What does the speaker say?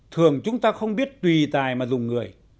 thường chúng ta không biết tùy tài mà dùng người